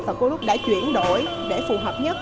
và cô lúc đã chuyển đổi để phù hợp nhất